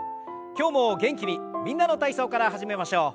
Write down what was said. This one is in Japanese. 今日も元気に「みんなの体操」から始めましょう。